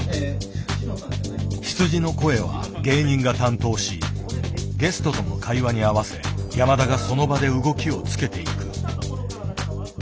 羊の声は芸人が担当しゲストとの会話に合わせ山田がその場で動きをつけていく。